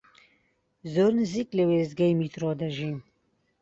زۆر نزیک لە وێستگەی میترۆ دەژیم.